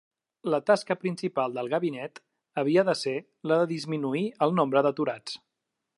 La tasca principal del gabinet havia de ser la de disminuir el nombre d'aturats.